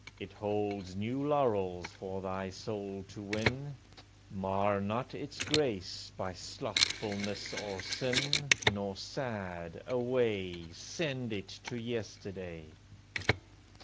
It holds new laurels for thy soul to win; Mar not its grace by slothfulness or sin, Nor sad, away, Send it to yesterday.